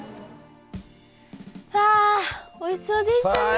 わあおいしそうでしたね。